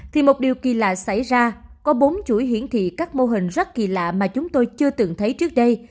thì một điều kỳ lạ xảy ra có bốn chuỗi hiển thị các mô hình rất kỳ lạ mà chúng tôi chưa từng thấy trước đây